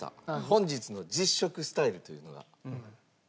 本日の実食スタイルというのがございまして。